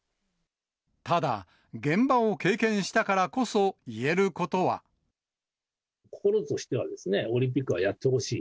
ただ、現場を経験したからこ心としてはオリンピックはやってほしい。